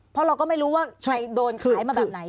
เพราะเราก็ไม่รู้ว่าใครโดนขายมาแบบไหน